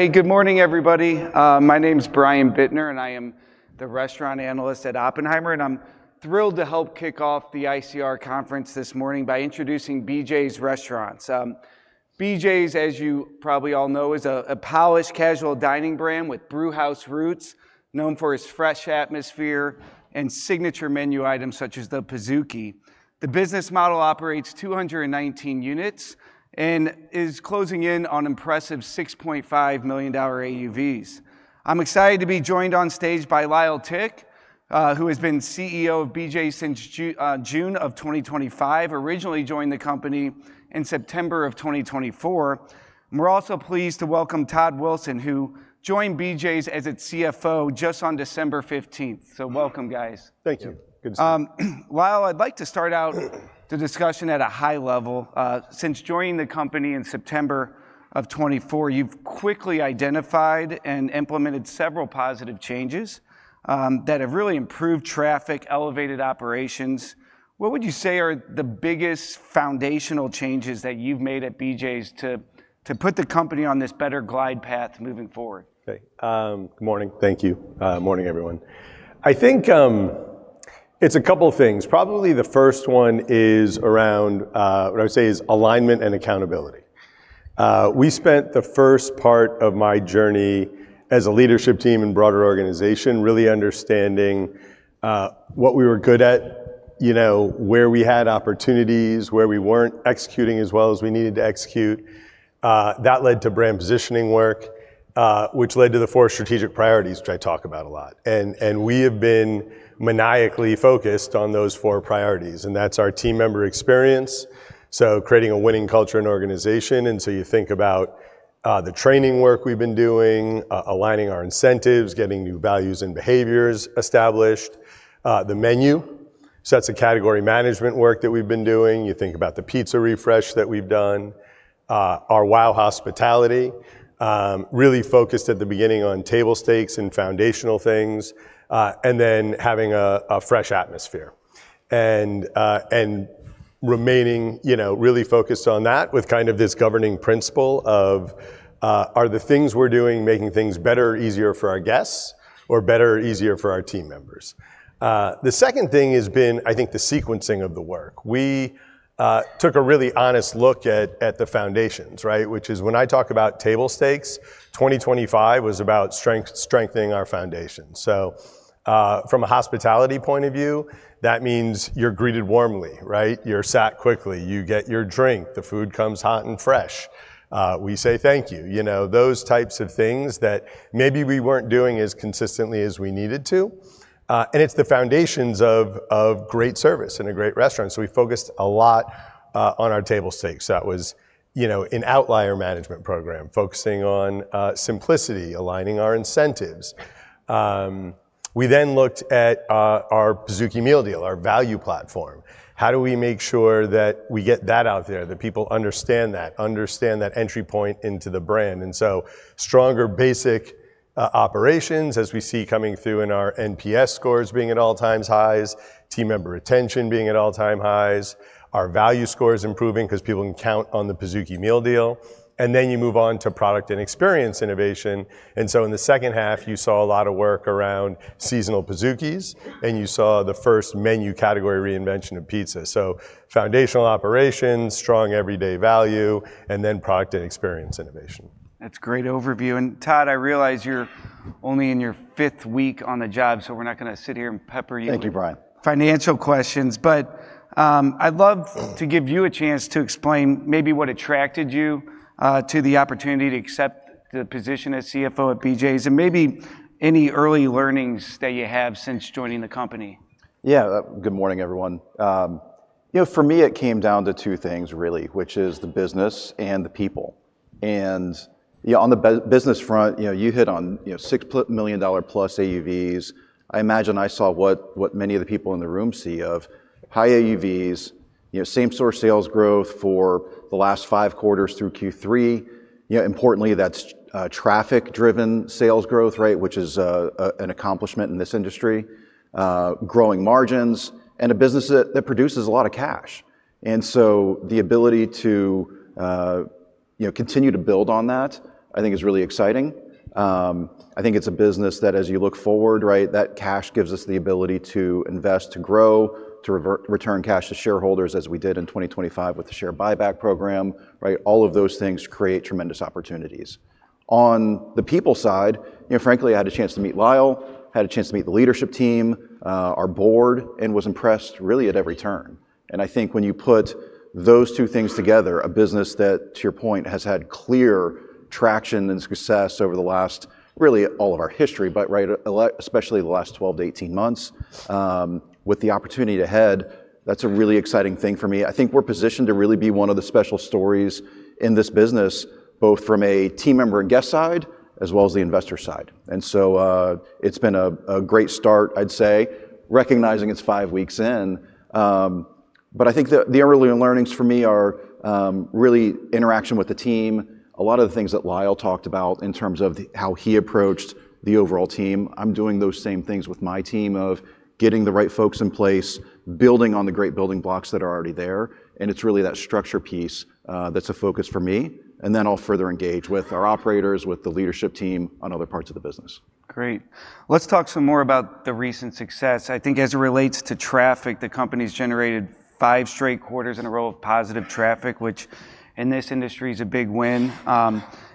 Hey, good morning, everybody. My name's Brian Bittner, and I am the restaurant analyst at Oppenheimer, and I'm thrilled to help kick off the ICR Conference this morning by introducing BJ's Restaurants. BJ's, as you probably all know, is a polished casual dining brand with brewhouse roots, known for its fresh atmosphere and signature menu items such as the Pizookie. The business model operates 219 units and is closing in on impressive $6.5 million AUVs. I'm excited to be joined on stage by Lyle Tick, who has been CEO of BJ's since June of 2025, originally joined the company in September of 2024. We're also pleased to welcome Todd Wilson, who joined BJ's as its CFO just on December 15th. So welcome, guys. Thank you. Good to see you. Lyle, I'd like to start out the discussion at a high level. Since joining the company in September of 2024, you've quickly identified and implemented several positive changes that have really improved traffic, elevated operations. What would you say are the biggest foundational changes that you've made at BJ's to put the company on this better glide path moving forward? Okay. Good morning. Thank you. Morning, everyone. I think it's a couple of things. Probably the first one is around what I would say is alignment and accountability. We spent the first part of my journey as a leadership team and broader organization really understanding what we were good at, where we had opportunities, where we weren't executing as well as we needed to execute. That led to brand positioning work, which led to the four strategic priorities, which I talk about a lot, and we have been maniacally focused on those four priorities, and that's our team member experience, so creating a winning culture in organization, and so you think about the training work we've been doing, aligning our incentives, getting new values and behaviors established, the menu, so that's the category management work that we've been doing. You think about the pizza refresh that we've done, our wild hospitality, really focused at the beginning on table stakes and foundational things, and then having a fresh atmosphere and remaining really focused on that with kind of this governing principle of, are the things we're doing making things better or easier for our guests or better or easier for our team members? The second thing has been, I think, the sequencing of the work. We took a really honest look at the foundations, right? Which is when I talk about table stakes, 2025 was about strengthening our foundation. So from a hospitality point of view, that means you're greeted warmly, right? You're sat quickly. You get your drink. The food comes hot and fresh. We say thank you. Those types of things that maybe we weren't doing as consistently as we needed to. It's the foundations of great service and a great restaurant. We focused a lot on our table stakes. That was an outlier management program focusing on simplicity, aligning our incentives. We then looked at our Pizookie Meal Deal, our value platform. How do we make sure that we get that out there, that people understand that, understand that entry point into the brand? Stronger basic operations as we see coming through in our NPS scores being at all-time highs, team member retention being at all-time highs, our value scores improving because people can count on the Pizookie Meal Deal. You move on to product and experience innovation. In the second half, you saw a lot of work around seasonal Pizookies, and you saw the first menu category reinvention of pizza. Foundational operations, strong everyday value, and then product and experience innovation. That's a great overview, and Todd, I realize you're only in your fifth week on the job, so we're not going to sit here and pepper you with financial questions, but I'd love to give you a chance to explain maybe what attracted you to the opportunity to accept the position as CFO at BJ's and maybe any early learnings that you have since joining the company. Yeah. Good morning, everyone. For me, it came down to two things, really, which is the business and the people. And on the business front, you hit on $6 million plus AUVs. I imagine I saw what many of the people in the room see of high AUVs, same-store sales growth for the last five quarters through Q3. Importantly, that's traffic-driven sales growth, right, which is an accomplishment in this industry, growing margins, and a business that produces a lot of cash. And so the ability to continue to build on that, I think, is really exciting. I think it's a business that, as you look forward, right, that cash gives us the ability to invest, to grow, to return cash to shareholders as we did in 2025 with the share buyback program, right? All of those things create tremendous opportunities. On the people side, frankly, I had a chance to meet Lyle, had a chance to meet the leadership team, our board, and was impressed really at every turn. And I think when you put those two things together, a business that, to your point, has had clear traction and success over the last, really, all of our history, but especially the last 12 to 18 months with the opportunity ahead, that's a really exciting thing for me. I think we're positioned to really be one of the special stories in this business, both from a team member and guest side as well as the investor side. And so it's been a great start, I'd say, recognizing it's five weeks in. But I think the early learnings for me are really interaction with the team, a lot of the things that Lyle talked about in terms of how he approached the overall team. I'm doing those same things with my team of getting the right folks in place, building on the great building blocks that are already there. And it's really that structure piece that's a focus for me. And then I'll further engage with our operators, with the leadership team on other parts of the business. Great. Let's talk some more about the recent success. I think as it relates to traffic, the company's generated five straight quarters in a row of positive traffic, which in this industry is a big win.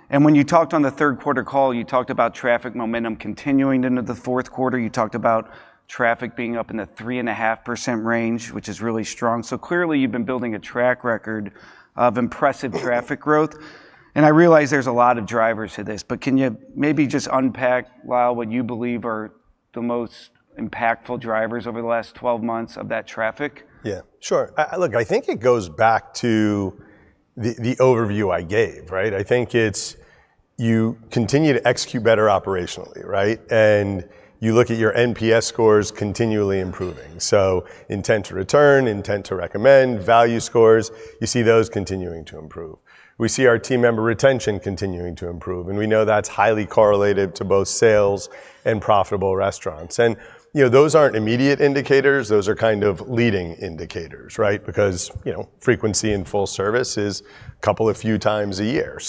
And when you talked on the third quarter call, you talked about traffic momentum continuing into the fourth quarter. You talked about traffic being up in the 3.5% range, which is really strong. So clearly, you've been building a track record of impressive traffic growth. And I realize there's a lot of drivers to this, but can you maybe just unpack, Lyle, what you believe are the most impactful drivers over the last 12 months of that traffic? Yeah, sure. Look, I think it goes back to the overview I gave, right? I think it's you continue to execute better operationally, right? And you look at your NPS scores continually improving. So intent to return, intent to recommend, value scores, you see those continuing to improve. We see our team member retention continuing to improve, and we know that's highly correlated to both sales and profitable restaurants. And those aren't immediate indicators. Those are kind of leading indicators, right? Because frequency and full service is a couple of few times a year.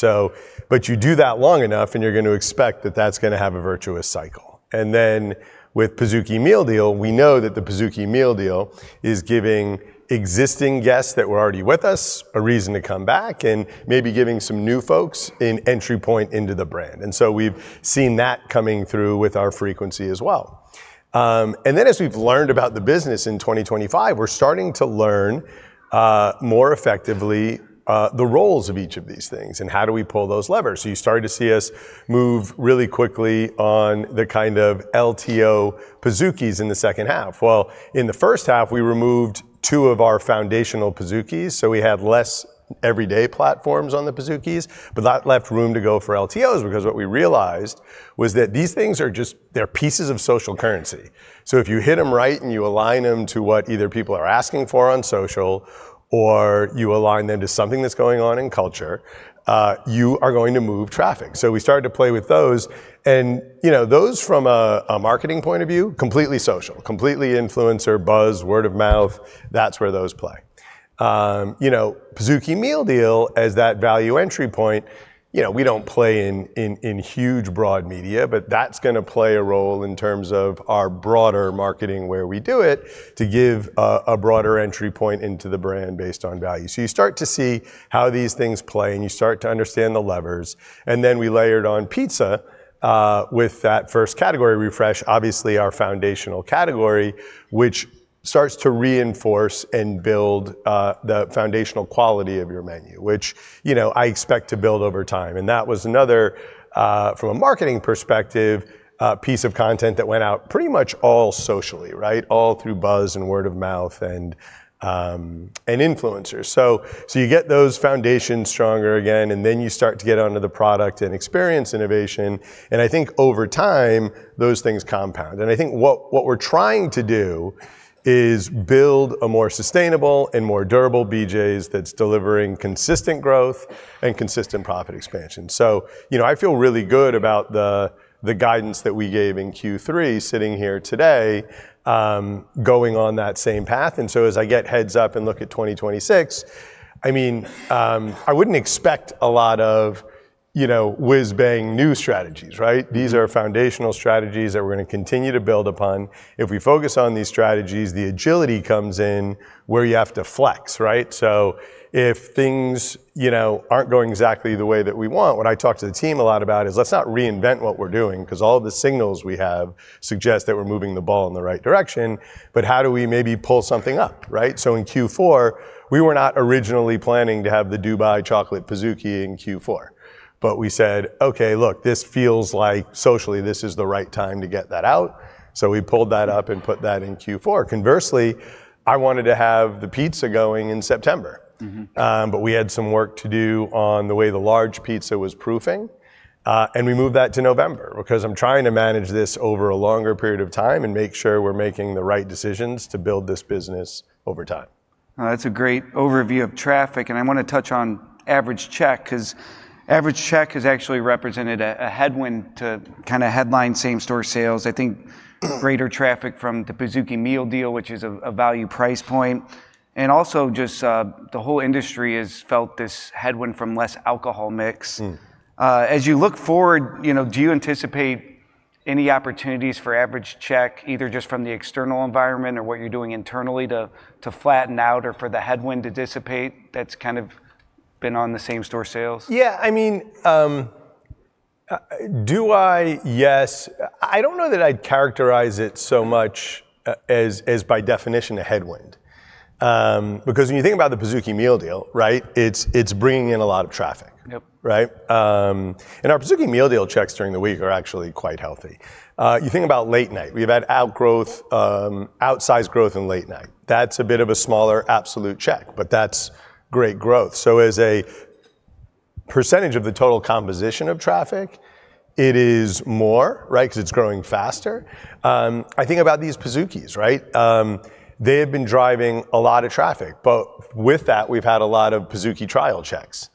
But you do that long enough, and you're going to expect that that's going to have a virtuous cycle. And then with Pizookie Meal Deal, we know that the Pizookie Meal Deal is giving existing guests that were already with us a reason to come back and maybe giving some new folks an entry point into the brand. And so we've seen that coming through with our frequency as well. And then as we've learned about the business in 2025, we're starting to learn more effectively the roles of each of these things and how do we pull those levers. So you started to see us move really quickly on the kind of LTO Pizookies in the second half. Well, in the first half, we removed two of our foundational Pizookies, so we had less everyday platforms on the Pizookies, but that left room to go for LTOs because what we realized was that these things are just, they're pieces of social currency. So if you hit them right and you align them to what either people are asking for on social or you align them to something that's going on in culture, you are going to move traffic. So we started to play with those. And those from a marketing point of view, completely social, completely influencer, buzz, word of mouth, that's where those play. Pizookie Meal Deal, as that value entry point, we don't play in huge broad media, but that's going to play a role in terms of our broader marketing where we do it to give a broader entry point into the brand based on value. So you start to see how these things play and you start to understand the levers. And then we layered on pizza with that first category refresh, obviously our foundational category, which starts to reinforce and build the foundational quality of your menu, which I expect to build over time. And that was another, from a marketing perspective, piece of content that went out pretty much all socially, right? All through buzz and word of mouth and influencers. So you get those foundations stronger again, and then you start to get onto the product and experience innovation. And I think over time, those things compound. And I think what we're trying to do is build a more sustainable and more durable BJ's that's delivering consistent growth and consistent profit expansion. So I feel really good about the guidance that we gave in Q3, sitting here today, going on that same path. And so as I get heads up and look at 2026, I mean, I wouldn't expect a lot of whiz-bang new strategies, right? These are foundational strategies that we're going to continue to build upon. If we focus on these strategies, the agility comes in where you have to flex, right? So if things aren't going exactly the way that we want, what I talk to the team a lot about is let's not reinvent what we're doing because all the signals we have suggest that we're moving the ball in the right direction, but how do we maybe pull something up, right? So in Q4, we were not originally planning to have the Dubai Chocolate Pizookie in Q4, but we said, "Okay, look, this feels like socially this is the right time to get that out." So we pulled that up and put that in Q4. Conversely, I wanted to have the pizza going in September, but we had some work to do on the way the large pizza was proofing, and we moved that to November because I'm trying to manage this over a longer period of time and make sure we're making the right decisions to build this business over time. That's a great overview of traffic. And I want to touch on average check because average check has actually represented a headwind to kind of headline same-store sales. I think greater traffic from the Pizookie Meal Deal, which is a value price point. And also just the whole industry has felt this headwind from less alcohol mix. As you look forward, do you anticipate any opportunities for average check, either just from the external environment or what you're doing internally to flatten out or for the headwind to dissipate that's kind of been on the same-store sales? Yeah. I mean, do I, yes. I don't know that I'd characterize it so much as by definition a headwind. Because when you think about the Pizookie Meal Deal, right, it's bringing in a lot of traffic, right? And our Pizookie Meal Deal checks during the week are actually quite healthy. You think about late night, we've had outsized growth in late night. That's a bit of a smaller absolute check, but that's great growth. So as a percentage of the total composition of traffic, it is more, right, because it's growing faster. I think about these Pizookies, right? They have been driving a lot of traffic, but with that, we've had a lot of Pizookie trial checks.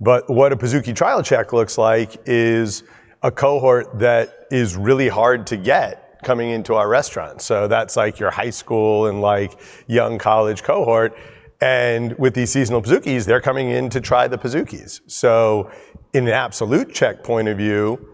But what a Pizookie trial check looks like is a cohort that is really hard to get coming into our restaurants. So that's like your high school and like young college cohort. And with these seasonal Pizookies, they're coming in to try the Pizookies. So in an absolute check point of view,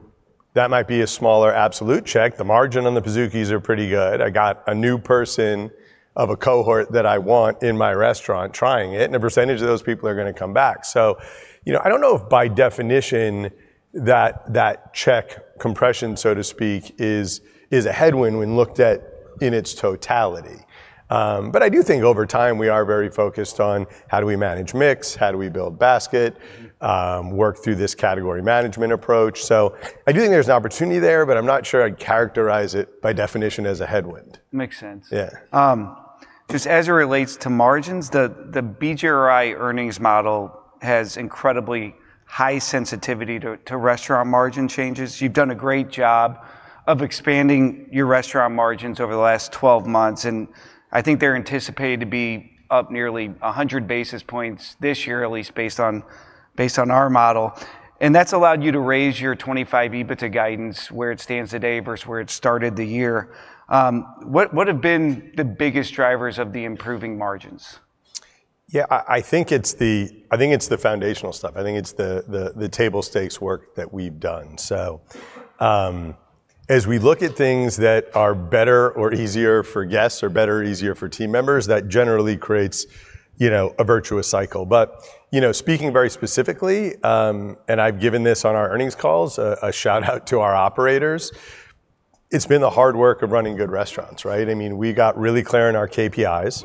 that might be a smaller absolute check. The margin on the Pizookies are pretty good. I got a new person of a cohort that I want in my restaurant trying it, and a percentage of those people are going to come back. So I don't know if by definition that check compression, so to speak, is a headwind when looked at in its totality. But I do think over time we are very focused on how do we manage mix, how do we build basket, work through this category management approach. So I do think there's an opportunity there, but I'm not sure I'd characterize it by definition as a headwind. Makes sense. Just as it relates to margins, the BJRI earnings model has incredibly high sensitivity to restaurant margin changes. You've done a great job of expanding your restaurant margins over the last 12 months. And I think they're anticipated to be up nearly 100 basis points this year, at least based on our model. And that's allowed you to raise your 2025 EBITDA guidance where it stands today versus where it started the year. What have been the biggest drivers of the improving margins? Yeah, I think it's the foundational stuff. I think it's the table stakes work that we've done. So as we look at things that are better or easier for guests or better or easier for team members, that generally creates a virtuous cycle. But speaking very specifically, and I've given this on our earnings calls, a shout-out to our operators, it's been the hard work of running good restaurants, right? I mean, we got really clear in our KPIs.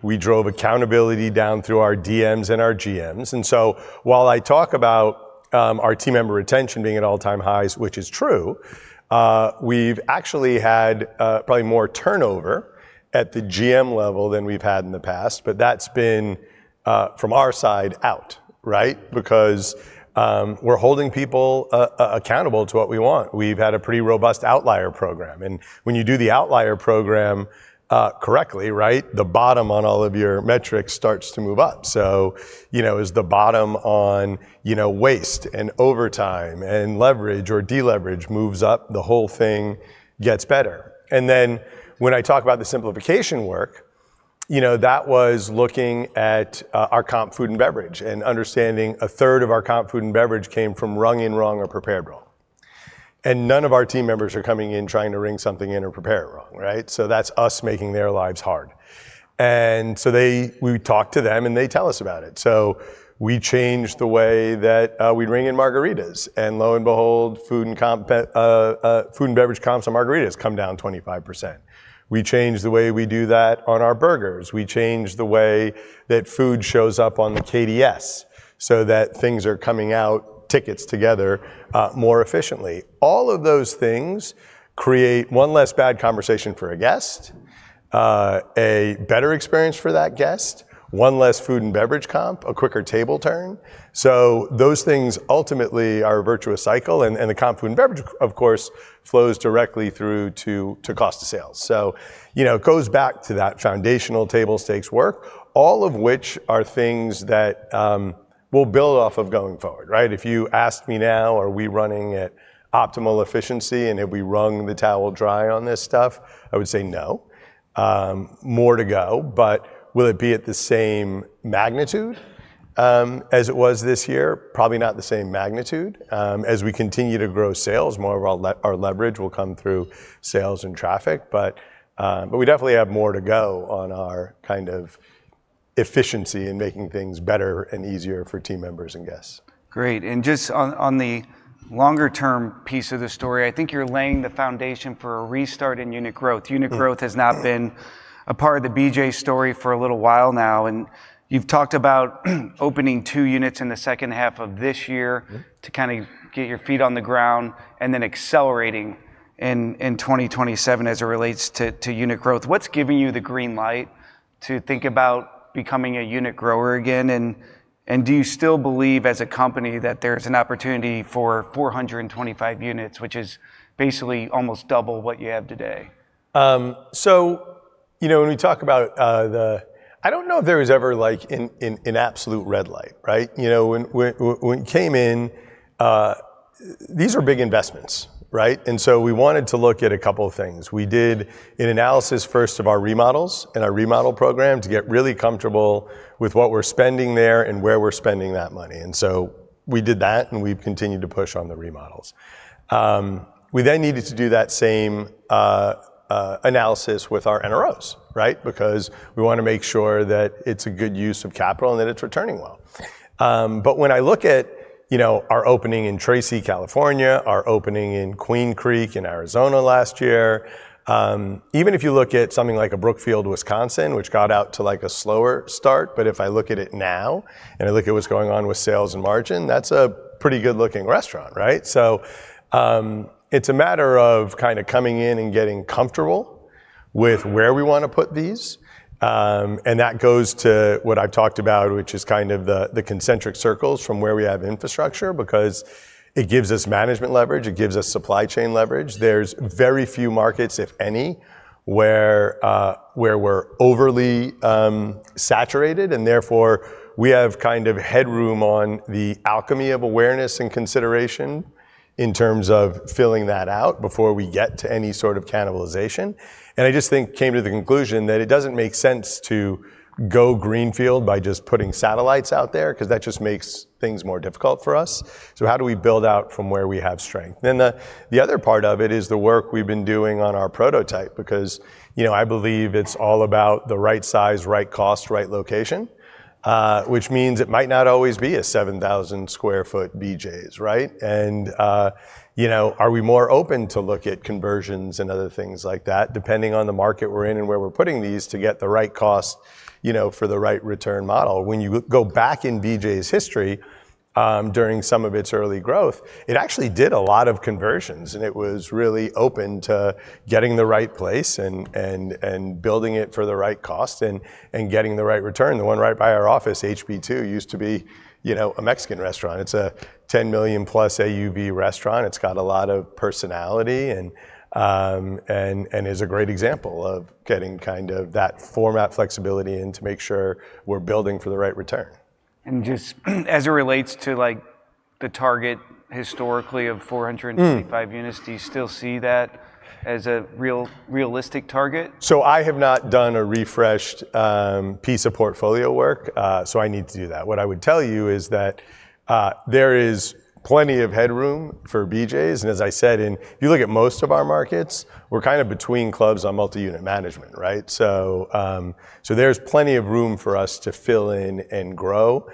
We drove accountability down through our DMs and our GMs. And so while I talk about our team member retention being at all-time highs, which is true, we've actually had probably more turnover at the GM level than we've had in the past, but that's been from our side out, right? Because we're holding people accountable to what we want. We've had a pretty robust outlier program. When you do the outlier program correctly, right, the bottom on all of your metrics starts to move up. So as the bottom on waste and overtime and leverage or deleverage moves up, the whole thing gets better. Then when I talk about the simplification work, that was looking at our comp food and beverage and understanding a third of our comp food and beverage came from ring in wrong or prepared wrong. None of our team members are coming in trying to ring something in or prepare it wrong, right? That's us making their lives hard. We talk to them and they tell us about it. We changed the way that we'd ring in margaritas. Lo and behold, food and beverage comps on margaritas come down 25%. We changed the way we do that on our burgers. We changed the way that food shows up on the KDS so that things are coming out tickets together more efficiently. All of those things create one less bad conversation for a guest, a better experience for that guest, one less food and beverage comp, a quicker table turn. So those things ultimately are a virtuous cycle. And the comp food and beverage, of course, flows directly through to cost of sales. So it goes back to that foundational table stakes work, all of which are things that we'll build off of going forward, right? If you ask me now, are we running at optimal efficiency and have we wrung the towel dry on this stuff? I would say no. More to go, but will it be at the same magnitude as it was this year? Probably not the same magnitude. As we continue to grow sales, more of our leverage will come through sales and traffic, but we definitely have more to go on our kind of efficiency in making things better and easier for team members and guests. Great. And just on the longer-term piece of the story, I think you're laying the foundation for a restart in unit growth. Unit growth has not been a part of the BJ story for a little while now. And you've talked about opening two units in the second half of this year to kind of get your feet on the ground and then accelerating in 2027 as it relates to unit growth. What's giving you the green light to think about becoming a unit grower again? And do you still believe as a company that there's an opportunity for 425 units, which is basically almost double what you have today? So when we talk about the, I don't know if there was ever like an absolute red light, right? When we came in, these are big investments, right? And so we wanted to look at a couple of things. We did an analysis first of our remodels and our remodel program to get really comfortable with what we're spending there and where we're spending that money. And so we did that and we've continued to push on the remodels. We then needed to do that same analysis with our NROs, right? Because we want to make sure that it's a good use of capital and that it's returning well. But when I look at our opening in Tracy, California, our opening in Queen Creek, Arizona last year, even if you look at something like a Brookfield, Wisconsin, which got out to like a slower start, but if I look at it now and I look at what's going on with sales and margin, that's a pretty good-looking restaurant, right? So it's a matter of kind of coming in and getting comfortable with where we want to put these. And that goes to what I've talked about, which is kind of the concentric circles from where we have infrastructure because it gives us management leverage, it gives us supply chain leverage. There's very few markets, if any, where we're overly saturated and therefore we have kind of headroom on the alchemy of awareness and consideration in terms of filling that out before we get to any sort of cannibalization. I just think we came to the conclusion that it doesn't make sense to go greenfield by just putting satellites out there because that just makes things more difficult for us. How do we build out from where we have strength? The other part of it is the work we've been doing on our prototype because I believe it's all about the right size, right cost, right location, which means it might not always be a 7,000 sq ft BJ's, right? Are we more open to look at conversions and other things like that depending on the market we're in and where we're putting these to get the right cost for the right return model? When you go back in BJ's history during some of its early growth, it actually did a lot of conversions and it was really open to getting the right place and building it for the right cost and getting the right return. The one right by our office, HB2, used to be a Mexican restaurant. It's a $10 million plus AUV restaurant. It's got a lot of personality and is a great example of getting kind of that format flexibility in to make sure we're building for the right return. Just as it relates to the target historically of 425 units, do you still see that as a realistic target? So I have not done a refreshed piece of portfolio work, so I need to do that. What I would tell you is that there is plenty of headroom for BJ's. And as I said, if you look at most of our markets, we're kind of between clubs and multi-unit management, right? So there's plenty of room for us to fill in and grow.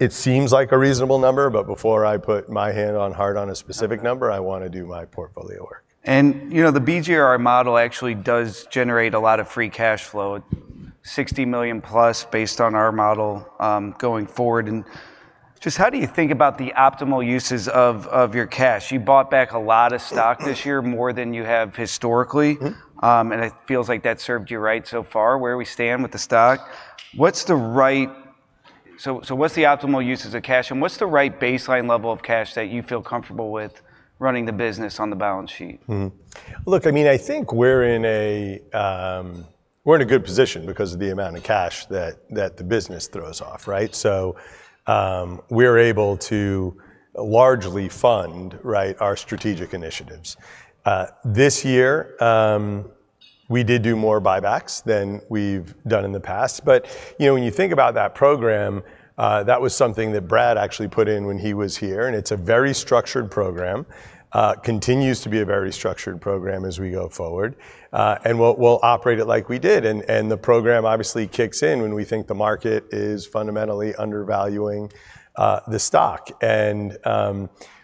It seems like a reasonable number, but before I put my hand on heart on a specific number, I want to do my portfolio work. The BJRI model actually does generate a lot of free cash flow, $60 million plus based on our model going forward. Just how do you think about the optimal uses of your cash? You bought back a lot of stock this year, more than you have historically. It feels like that served you right so far. Where are we standing with the stock? What's the right, so what's the optimal uses of cash and what's the right baseline level of cash that you feel comfortable with running the business on the balance sheet? Look, I mean, I think we're in a good position because of the amount of cash that the business throws off, right? So we're able to largely fund our strategic initiatives. This year, we did do more buybacks than we've done in the past. But when you think about that program, that was something that Brad actually put in when he was here. And it's a very structured program, continues to be a very structured program as we go forward. And we'll operate it like we did. And the program obviously kicks in when we think the market is fundamentally undervaluing the stock. And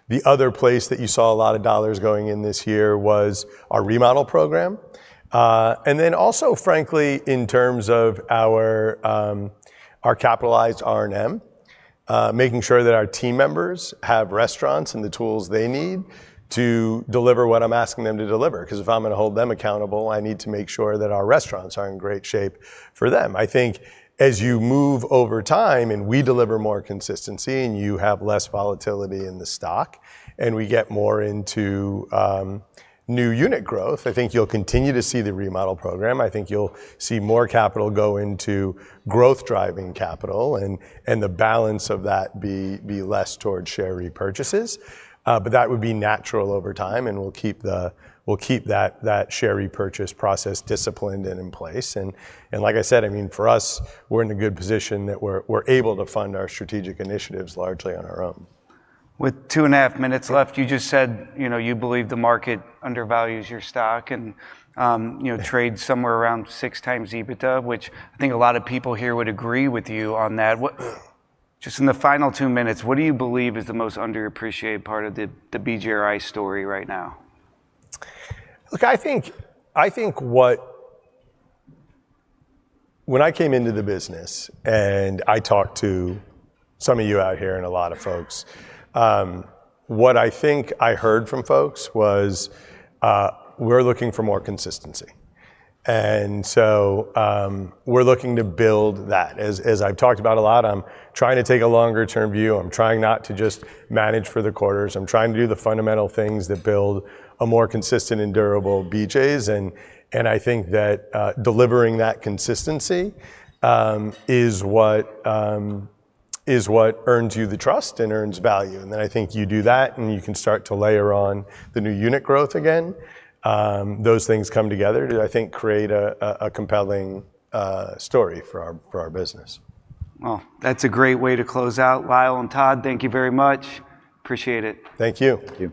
the other place that you saw a lot of dollars going in this year was our remodel program. and then also, frankly, in terms of our capitalized R&M, making sure that our team members have restaurants and the tools they need to deliver what I'm asking them to deliver. Because if I'm going to hold them accountable, I need to make sure that our restaurants are in great shape for them. I think as you move over time and we deliver more consistency and you have less volatility in the stock and we get more into new unit growth, I think you'll continue to see the remodel program. I think you'll see more capital go into growth-driving capital and the balance of that be less towards share repurchases. But that would be natural over time and we'll keep that share repurchase process disciplined and in place. Like I said, I mean, for us, we're in a good position that we're able to fund our strategic initiatives largely on our own. With two and a half minutes left, you just said you believe the market undervalues your stock and trades somewhere around six times EBITDA, which I think a lot of people here would agree with you on that. Just in the final two minutes, what do you believe is the most underappreciated part of the BJRI story right now? Look, I think when I came into the business and I talked to some of you out here and a lot of folks, what I think I heard from folks was we're looking for more consistency. And so we're looking to build that. As I've talked about a lot, I'm trying to take a longer-term view. I'm trying not to just manage for the quarters. I'm trying to do the fundamental things that build a more consistent and durable BJ's. And I think that delivering that consistency is what earns you the trust and earns value. And then I think you do that and you can start to layer on the new unit growth again. Those things come together. I think create a compelling story for our business. Well, that's a great way to close out, Lyle and Todd. Thank you very much. Appreciate it. Thank you.